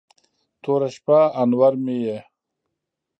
توره شپه، انور مې یې